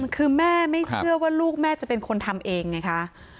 คือแม่ไม่เชื่อว่าลูกแม่จะเป็นคนทำเองไงคะ